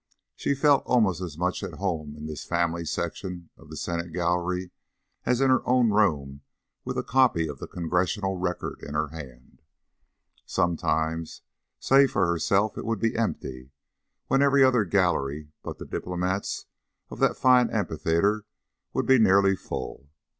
She felt almost as much at home in this family section of the Senate Gallery as in her own room with a copy of the Congressional Record in her hand. Sometimes save for herself it would be empty, when every other gallery, but the Diplomats', of that fine amphitheatre would be nearly full.